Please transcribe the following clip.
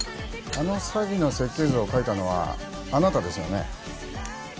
あの詐欺の設計図を書いたのはあなたですよね？